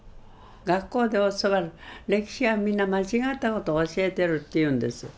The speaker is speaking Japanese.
学校で教わる歴史はみんな間違った事を教えてるって言うんです。